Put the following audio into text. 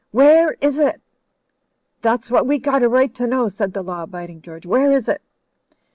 "Where is it?" "That's what we got a right to know," said the law abiding George. "Where is it?"